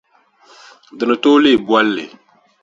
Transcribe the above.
Di ni tooi leei bolli.